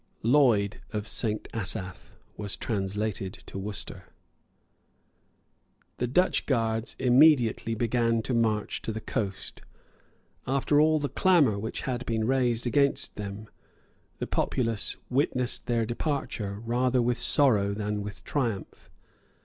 Lloyd of St. Asaph was translated to Worcester. The Dutch Guards immediately began to march to the coast. After all the clamour which had been raised against them, the populace witnessed their departure rather with sorrow than with triumph.